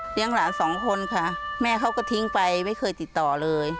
หลานสองคนค่ะแม่เขาก็ทิ้งไปไม่เคยติดต่อเลย